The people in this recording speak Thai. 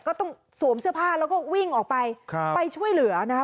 สวมเสื้อผ้าแล้วก็วิ่งออกไปครับไปช่วยเหลือนะคะ